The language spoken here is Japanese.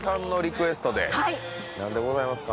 何でございますか？